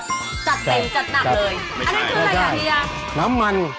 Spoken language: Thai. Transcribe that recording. อันนี้คืออะไรครับเฮียน้ำมัน